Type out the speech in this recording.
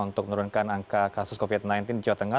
untuk menurunkan angka kasus covid sembilan belas di jawa tengah